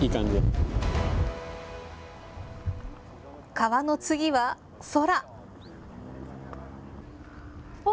川の次は空。